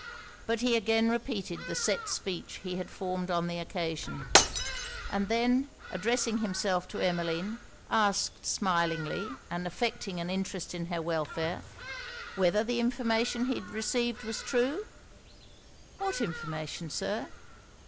But he again repeated the set speech he had formed on the occasion; and then addressing himself to Emmeline, asked smilingly, and affecting an interest in her welfare, 'whether the information he had received was true?' 'What information, Sir?'